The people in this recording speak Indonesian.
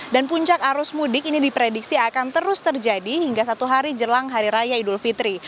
dan puncak arus mudik ini diprediksi akan terus terjadi hingga satu hari jelang hari raya idul fitri